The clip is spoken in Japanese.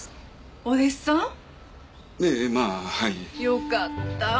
よかった！